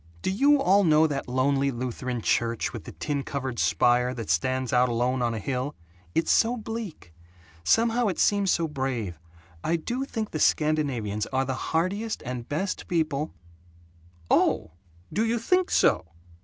Do you all know that lonely Lutheran church, with the tin covered spire, that stands out alone on a hill? It's so bleak; somehow it seems so brave. I do think the Scandinavians are the hardiest and best people " "Oh, do you THINK so?"